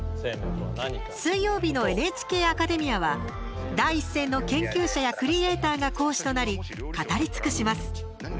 水曜日の「ＮＨＫアカデミア」は第一線の研究者やクリエーターが講師となり語り尽くします。